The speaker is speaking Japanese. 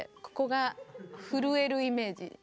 ここが震えるイメージ。